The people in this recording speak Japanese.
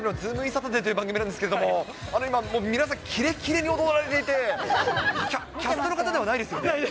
サタデーという番組なんですけれども、今、皆さん、キレキレに踊られていて、キャストの方ではないですよね？